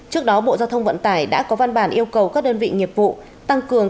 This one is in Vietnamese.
trước đó bộ giao thông vận tải đã có văn bản yêu cầu các đơn vị nghiệp vụ tăng cường